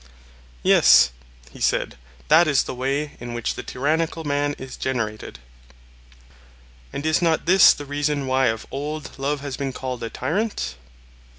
Yes, he said, that is the way in which the tyrannical man is generated. And is not this the reason why of old love has been called a tyrant?